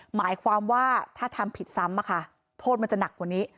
หมายความว่าถ้าทำผิดซ้ำโทษมันจะหนักกว่านี้